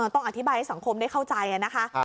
ต้องอธิบายให้สังคมได้เข้าใจนะคะ